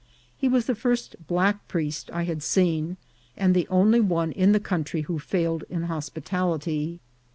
He was the first black priest I had seen, and the only one in the country who failed in hospitality.